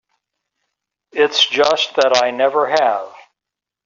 It's just that I never have.